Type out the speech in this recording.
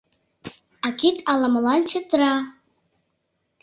А кид ала-молан чытыра...